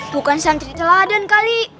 bukan santri teladan kali